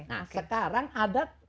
nah sekarang ada